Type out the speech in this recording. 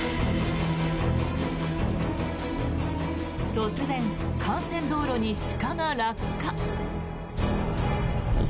突然、幹線道路に鹿が落下。